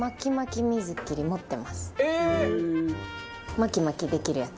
巻き巻きできるやつ。